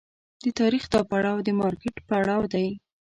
د تاریخ دا پړاو د مارکېټ پړاو دی.